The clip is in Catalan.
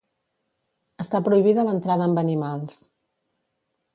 Està prohibida l'entrada amb animals.